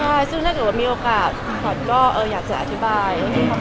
ใช่ซึ่งถ้าเกิดว่ามีโอกาสขวัญก็อยากจะอธิบาย